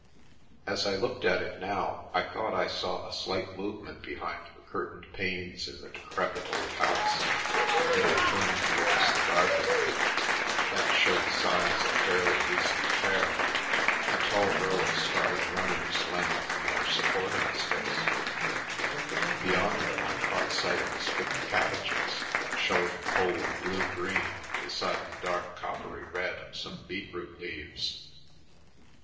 As I looked at it now, I thought I saw a slight move ment behind the curtained panes in the decrepit old house, and I turned towards the garden. That showed signs of fairly recent care — a tall row of scarlet runners leant from their supporting sticks ; beyond them I caught sight of a strip of cabbages, showing a cold, blue green beside the dark, coppery red of some beet root leaves.